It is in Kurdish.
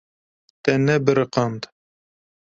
Te nebiriqand.